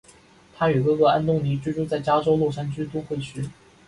他与哥哥安东尼居住在加州洛杉矶都会区。